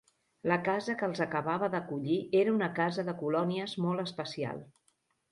La casa que els acabava d'acollir era una casa de colònies molt especial.